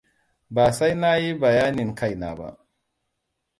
Ba sai na yi bayanin kai na ba.